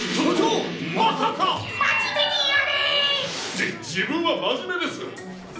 じじぶんはまじめです！